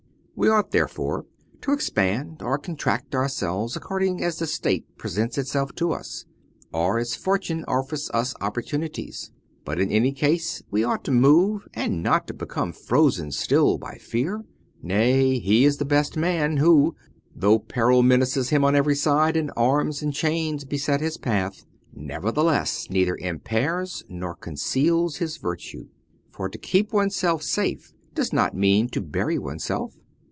We ought, 264 MINOR DIALOGUES. [bK. IX. therefore, to expand or contract ourselves according as the state presents itself to us, or as Fortune offers us oppor tunities : but in any case we ought to move and not to become frozen still by fear : nay, he is the best man who, though peril menaces him on every side and arms and chains beset his path, nevertheless neither impairs nor conceals his virtue : for to keep oneself safe does not mean to bury oneself.